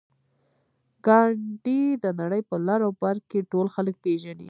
ګاندي د نړۍ په لر او بر کې ټول خلک پېژني